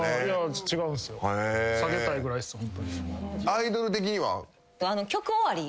アイドル的には？